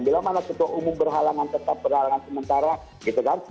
bila mana ketua umum berhalangan tetap berhalangan sementara gitu kan